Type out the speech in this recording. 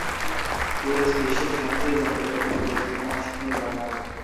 Queen's বিশ্বের সবচেয়ে জাতিগতভাবে বৈচিত্র্যময় শহর এলাকা।